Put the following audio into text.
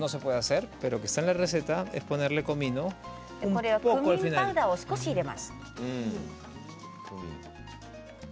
これはクミンパウダーを少し入れます。